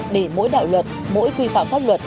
để mỗi đạo luật mỗi quy phạm pháp luật